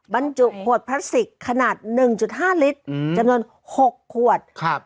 บรรจุขวดพลาสสิกขนาดหนึ่งจุดห้าริตอืมจำนวนหกขวดครับ